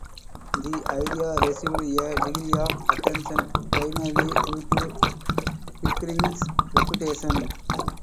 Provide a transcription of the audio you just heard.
The idea received a degree of attention primarily due to Pickering's reputation.